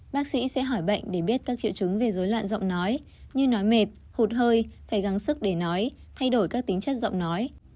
bác sĩ sẽ hỏi bệnh để biết các triệu chứng về dối loạn giọng nói như nói mệt hụt hơi phải gắn sức để nói thay đổi các tính chất giọng nói